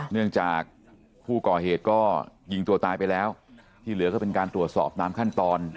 เนื่องจากผู้ก่อเหตุก็ยิงตัวตายไปแล้วที่เหลือก็เป็นการตรวจสอบตามขั้นตอน